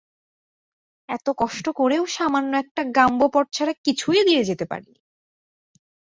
এত কষ্ট করেও সামান্য একটা গাম্বো পট ছাড়া কিছুই দিয়ে যেতে পারেনি।